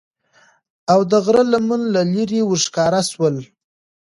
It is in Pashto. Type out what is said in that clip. او د غره لمن له لیری ورښکاره سول